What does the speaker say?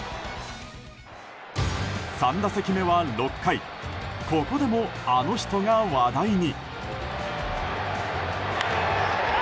３打席目は６回ここでもあの人が話題に。